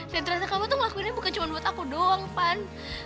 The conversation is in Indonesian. dan terasa kamu tuh ngelakuinnya bukan cuma buat aku doang pan